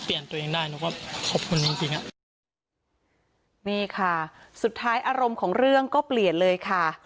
ตัวเองได้หนูก็ขอบคุณจริงจริงอ่ะนี่ค่ะสุดท้ายอารมณ์ของเรื่องก็เปลี่ยนเลยค่ะ